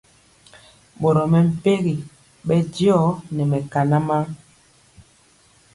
Boro mɛmpegi bɛndiɔ nɛ mɛkanan.